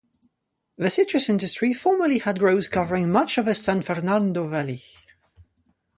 The citrus industry formerly had groves covering much of the San Fernando Valley.